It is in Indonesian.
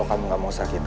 khas m pak